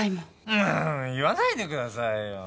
うん言わないでくださいよ。